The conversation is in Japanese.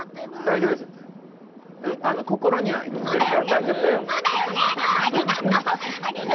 心の中では生きているから大丈夫だよ。